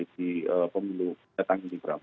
di pemilu datang ini